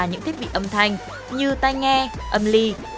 những thiết bị âm thanh như tay nghe âm ly